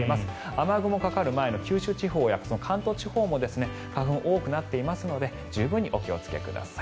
雨雲かかる前の九州地方や関東地方も花粉が多くなっていますので十分お気をつけください。